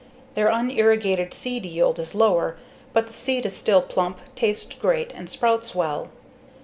Their unirrigated seed yield is lower, but the seed is still plump, tastes great, and sprouts well.